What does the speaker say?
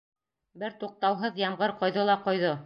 Бер туҡтауһыҙ ямғыр ҡойҙо ла ҡойҙо.